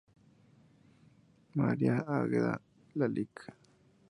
María Águeda, la Lic.